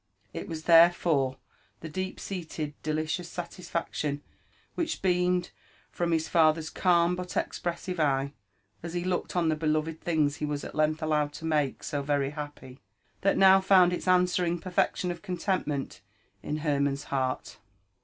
It was therefore the deep seated, delicious satisfaction which beam' ed from his father's calm but expressive eye as he looked on the beloved beings he was at length allowed to make so very happy, that now found its answering perfection of contentment in Hermann's heart.